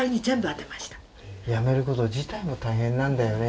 やめること自体も大変なんだよね。